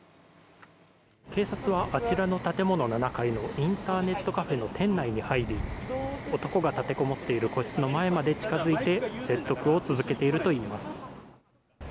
警察はあちらの建物７階のインターネットカフェの店内に入り男が立てこもっている個室の前まで近づいて説得を続けているといいます。